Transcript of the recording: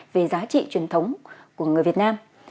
về giá trị truyền thống của người việt nam